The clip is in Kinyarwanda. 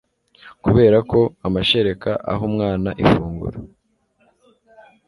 kubera ko amashereka aha umwana ifunguro